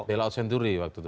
belaut senturi waktu itu